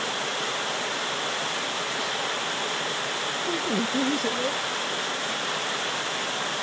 僕のためじゃない。